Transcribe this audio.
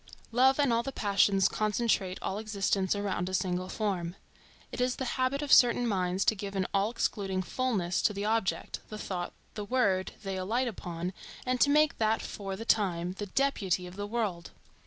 Love and all the passions concentrate all existence around a single form. It is the habit of certain minds to give an all excluding fulness to the object, the thought, the word, they alight upon, and to make that for the time the deputy of the world.